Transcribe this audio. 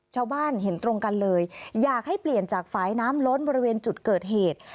ชาวบ้านเห็นตรงกันเลยอยากให้เปลี่ยนจากฝ่ายน้ำล้นบริเวณจุดเกิดเหตุ